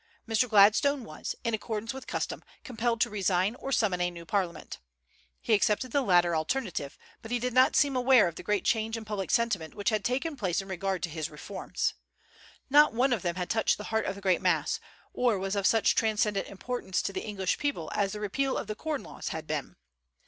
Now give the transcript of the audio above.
Mr. Gladstone was, in accordance with custom, compelled to resign or summon a new Parliament. He accepted the latter alternative; but he did not seem aware of the great change in public sentiment which had taken place in regard to his reforms. Not one of them had touched the heart of the great mass, or was of such transcendent importance to the English people as the repeal of the corn laws had been.